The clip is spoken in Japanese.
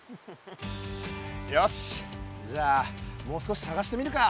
よしじゃもう少しさがしてみるか。